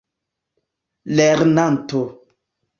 lernanto